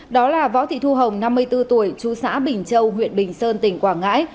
đó là võ thị thu hồng năm mươi bốn tuổi chú xã bình châu huyện bình sơn tỉnh quảng ngãi